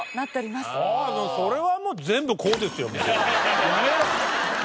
それはもう全部こうですよ。